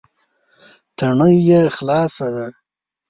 تڼۍ یې خلال ده.